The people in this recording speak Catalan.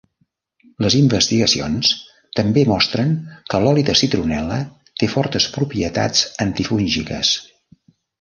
Les investigacions també mostren que l'oli de citronel·la té fortes propietats antifúngiques.